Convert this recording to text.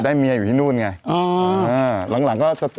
เมียอยู่ที่นู่นไง